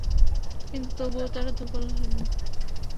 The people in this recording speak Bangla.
কিন্তু তবুও তারা দুর্বল হলেন না।